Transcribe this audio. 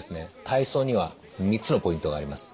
体操には３つのポイントがあります。